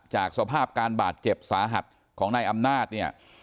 จากสภาพการบาดเจ็บสาหัสของนายอำนาจเนี่ย